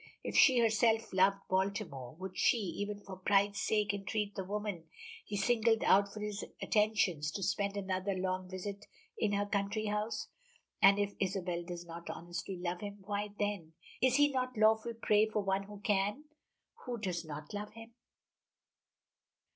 If she herself loved Baltimore, would she, even for pride's sake, entreat the woman he singled out for his attentions to spend another long visit in her country house? And if Isabel does not honestly love him, why then is he not lawful prey for one who can, who does not love him?